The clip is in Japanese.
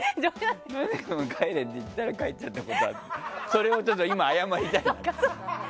それは今、ちょっと謝りたい。